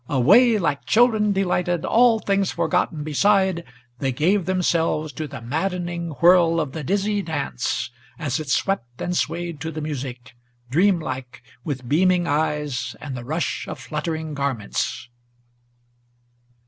Away, like children delighted, All things forgotten beside, they gave themselves to the maddening Whirl of the dizzy dance, as it swept and swayed to the music, Dreamlike, with beaming eyes and the rush of fluttering garments.